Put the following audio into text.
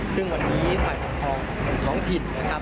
ซึ่งวันนี้ฝ่ายปกครองส่วนท้องถิ่นนะครับ